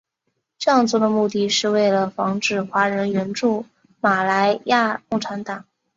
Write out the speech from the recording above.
这样做的目的是为了防止华人援助马来亚共产党。